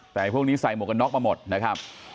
แต่พวกนี้ใส่หมวกกันน็อกมาหมดนะครับ